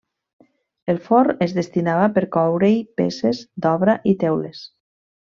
El forn es destinava per coure-hi peces d'obra i teules.